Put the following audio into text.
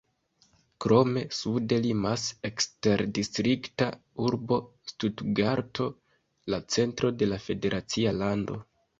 Krome sude limas eksterdistrikta urbo Stutgarto, la centro de la federacia lando.